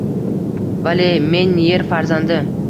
Vale men yer farzandi –